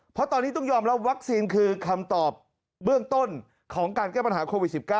เพราะตอนนี้ต้องยอมรับวัคซีนคือคำตอบเบื้องต้นของการแก้ปัญหาโควิด๑๙